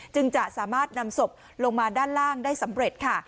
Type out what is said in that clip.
จึงจะสามารถนำศพลงมาด้านล่างได้สำเร็จค่ะ